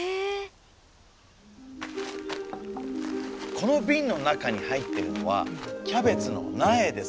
この瓶の中に入っているのはキャベツの苗です。